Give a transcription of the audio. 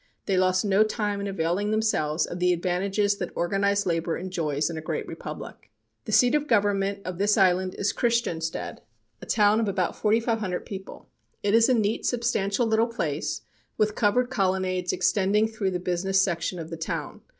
They lost no time in availing themselves of the advantages that organized labor enjoys in a great republic. The seat of government of this island is Christiansted, a town of about 4500 people. It is a neat, substantial little place, with covered colonnades extending through the business section of the town.